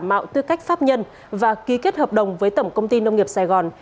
đức đã đăng ký tư cách pháp nhân và ký kết hợp đồng với tổng công ty nông nghiệp sài gòn